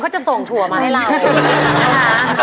เขาจะส่งถั่วมาให้เรา